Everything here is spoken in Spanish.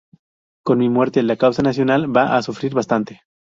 Con mi muerte la causa nacional va a sufrir bastante".